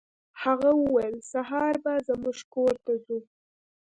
هغه وویل سهار به زموږ کور ته ځو.